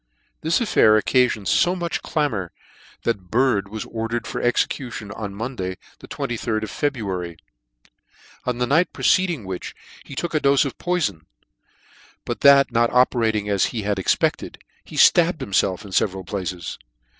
This affair occafioned fo much clamour that Bird was ordered for execution on Monday the 2jd of February ; on the night preceding which he took a dofe of poifon ; but that not operating as he had expected, he ftabbed himfelf in feveral places.